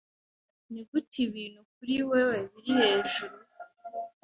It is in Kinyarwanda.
Ni gute ibintu kuri wewe biri hejuru